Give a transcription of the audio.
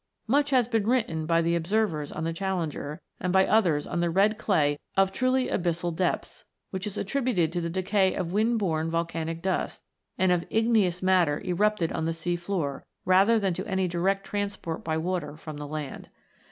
Much has been written by the observers on the " Challenger " and by others on the red clay of truly abyssal depths, which is attributed to the decay of wind borne volcanic dust, and of igneous matter erupted on the sea floor, rather than to any direct transport by water from the land.